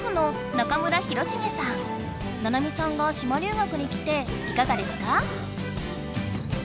ななみさんが島留学に来ていかがですか？